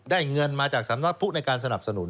เงินมาจากสำนักผู้ในการสนับสนุน